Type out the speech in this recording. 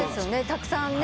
たくさんね。